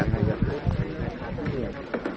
ผมไม่สืบผมมาทำหน้าที่ครับ